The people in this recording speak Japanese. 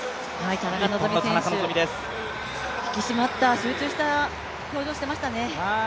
田中選手、引き締まった、集中した表情をしていましたね。